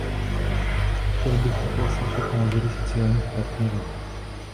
Chtěl bych také slyšet názory sociálních partnerů.